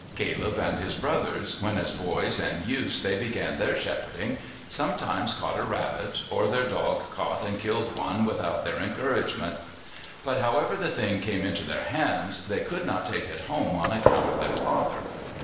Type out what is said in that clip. Caleb and his brothers, when as boys and youths they began their shepherding, sometimes caught a rabbit, or their dog caught and killed one without their encouragement; but, however the thing came into their hands, they could not take it home on account of their father.